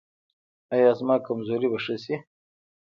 ایا زما کمزوري به ښه شي؟